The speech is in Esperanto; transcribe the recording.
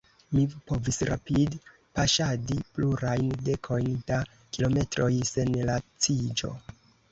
Mi povis rapid-paŝadi plurajn dekojn da kilometroj sen laciĝo.